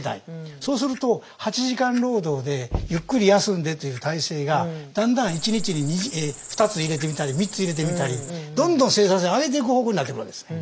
そうすると８時間労働でゆっくり休んでという体制がだんだん１日に２つ入れてみたり３つ入れてみたりどんどん生産性を上げていく方向になってくるわけですね。